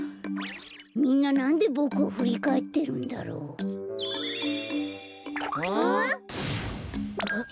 みんななんでボクをふりかえってるんだろう？ん？あっ！